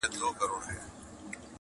کډه وکړه هغه ښار ته چي آباد سې.!